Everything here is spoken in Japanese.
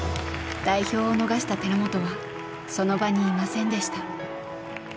代表を逃した寺本はその場にいませんでした。